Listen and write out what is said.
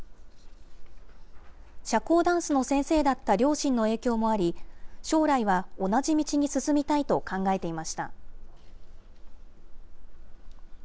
社交ダンスの先生だった両親の影響もあり、将来は同じ道に進みたいと考えていました。